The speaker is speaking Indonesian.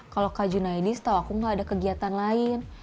kalau kak junaidi setahu aku nggak ada kegiatan lain